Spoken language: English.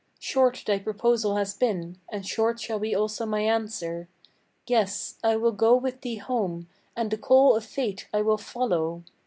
Short thy proposal has been, and short shall be also my answer. Yes, I will go with thee home, and the call of fate I will follow.